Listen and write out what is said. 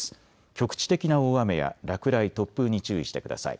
局地的な大雨や落雷、突風に注意してください。